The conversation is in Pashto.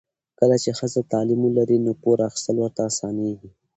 کله چې ښځه تعلیم ولري، نو پور اخیستل ورته اسانېږي.